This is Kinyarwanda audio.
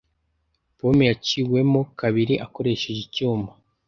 Pome yaciwemo kabiri akoresheje icyuma.